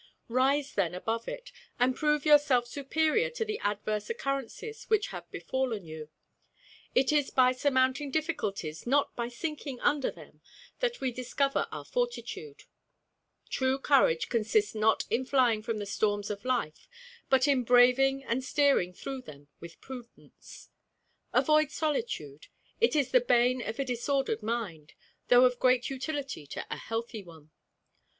Rise then above it, and prove yourself superior to the adverse occurrences which have befallen you. It is by surmounting difficulties, not by sinking under them, that we discover our fortitude. True courage consists not in flying from the storms of life, but in braving and steering through them with prudence. Avoid solitude. It is the bane of a disordered mind, though of great utility to a healthy one.